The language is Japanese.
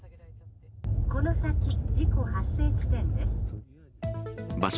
この先、事故発生地点です。